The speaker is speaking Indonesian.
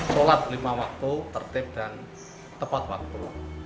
sholat lima waktu tertib dan tepat waktu